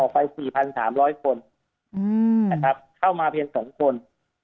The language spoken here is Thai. เหมาะกว่า๔๓๐๐คนนะครับเข้ามาเพียง๒คน